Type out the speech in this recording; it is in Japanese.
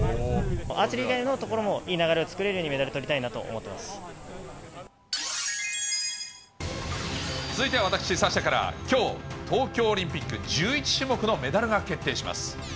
アーチェリー以外のところでもいい流れを作れるようにメダルとり続いては私サッシャからきょう、東京オリンピック１１種目のメダルが決定します。